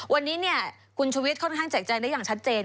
วันนี้เนี่ยคุณชุวิตค่อนข้างแจกแจงได้อย่างชัดเจน